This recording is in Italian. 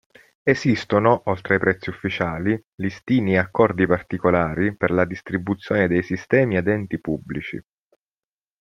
Esistono, oltre ai prezzi ufficiali, listini e accordi particolari per la distribuzione dei sistemi ad enti pubblici.